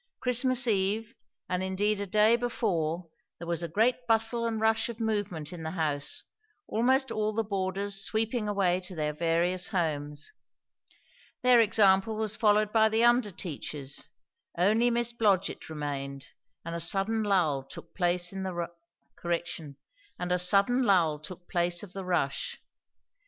Christmas eve, and indeed a day before, there was a great bustle and rush of movement in the house, almost all the boarders sweeping away to their various homes. Their example was followed by the under teachers; only Miss Blodgett remained; and a sudden lull took place of the rush.